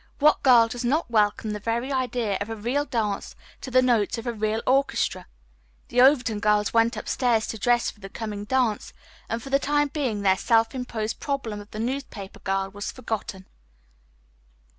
What girl does not welcome the very idea of a real dance to the notes of a real orchestra? The Overton girls went upstairs to dress for the coming dance, and for the time being their self imposed problem of the newspaper girl was forgotten.